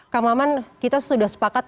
kang maman kita sudah sepakat